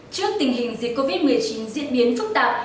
trước tình hình dịch covid một mươi chín diễn biến phức tạp